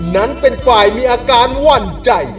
นั้นเป็นฝ่ายมีอาการหวั่นใจ